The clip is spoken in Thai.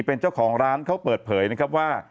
เป็นเจ้าของร้านเขาเปิดเผยนะครับว่า